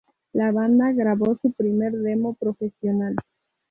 La banda grabó su primer demo profesional.